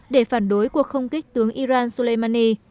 để phản đối cuộc không kích tướng iran soleimani